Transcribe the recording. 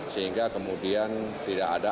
sehingga kemudian tidak ada